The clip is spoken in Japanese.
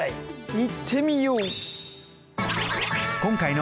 いってみよう！